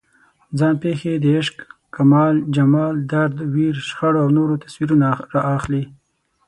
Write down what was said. ځان پېښې د عشق، کمال، جمال، درد، ویر، شخړو او نورو تصویرونه راخلي.